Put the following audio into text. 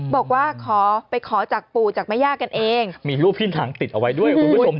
บอกว่าไปขอจากปู่จากแม่ย่ากันเองมีรูปพี่นางติดเอาไว้ด้วย